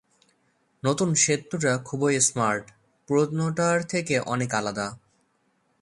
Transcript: নতুন সেতুটা খুবই স্মার্ট; পুরনোটার থেকে অনেক আলাদা।